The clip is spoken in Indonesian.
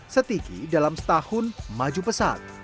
setiki dalam setahun maju pesat